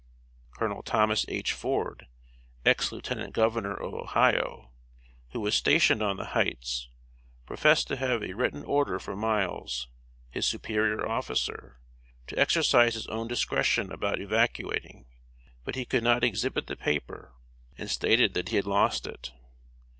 Colonel Thomas H. Ford, ex Lieutenant Governor of Ohio, who was stationed on the Hights, professed to have a written order from Miles, his superior officer, to exercise his own discretion about evacuating; but he could not exhibit the paper, and stated that he had lost it.